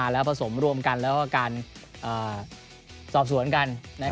พร้อมส้มร่วมกันและการสอบสวนกัน